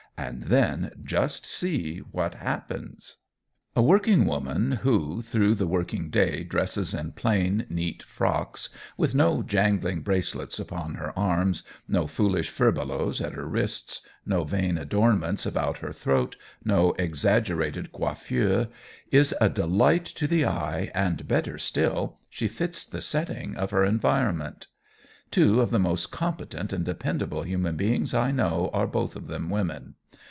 And then just see what happens. A working woman who, through the working day, dresses in plain, neat frocks with no jangling bracelets upon her arms, no foolish furbelows at her wrists, no vain adornments about her throat, no exaggerated coiffure, is a delight to the eye and, better still, she fits the setting of her environment. Two of the most competent and dependable human beings I know are both of them women.